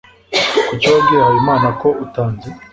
kuki wabwiye habimana ko utanzi